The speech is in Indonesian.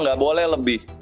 nggak boleh lebih